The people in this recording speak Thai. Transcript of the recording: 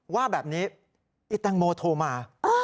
ว่าแบบนี้ไอ้แตงโมโทรมา